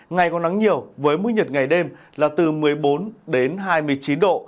ngày có nắng nhiều với mức nhiệt ngày đêm là từ một mươi bốn đến hai mươi chín độ